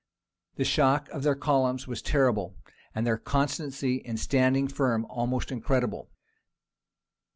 The shock of their columns was terrible, and their constancy in standing firm almost incredible.